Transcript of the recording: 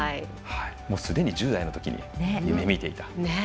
すでに１０代のときに夢みていたと。